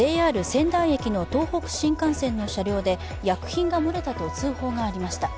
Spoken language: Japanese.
仙台駅の東北新幹線の車両で薬品が漏れたと通報がありました。